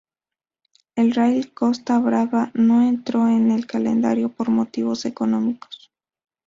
El Rally Costa Brava no entró en el calendario por motivos económicos.